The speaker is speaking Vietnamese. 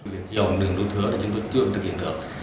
việc dọn đường đu thừa chúng tôi chưa thực hiện được